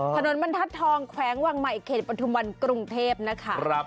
ผนมันทัศน์ทองแขวงวังใหม่เขตปัทธุบันกรุงเทพฯนะคะ